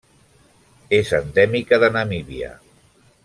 És endèmica de Namíbia.